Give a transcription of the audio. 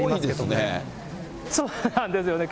そうなんですよね。